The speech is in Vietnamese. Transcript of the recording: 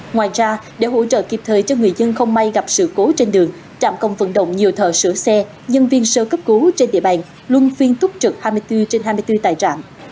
ngoài ra để hỗ trợ kịp thời cho người dân không may gặp sự cố trên đường trạm còn vận động nhiều thợ sửa xe nhân viên sơ cấp cứu trên địa bàn luôn phiên túc trực hai mươi bốn trên hai mươi bốn tại trạm